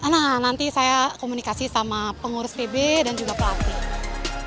nah nanti saya komunikasi sama pengurus pb dan juga pelatih